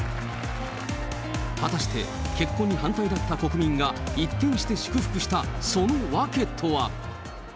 果たして結婚に反対だった国民が、一転して祝福した、その訳とは。